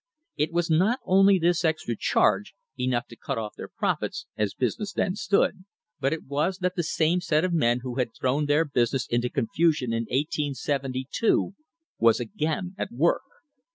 It was not only this extra charge, enough to cut off their profits, as business then stood, but it was that the same set of men who had thrown their business into confusion in 1872 was again at work.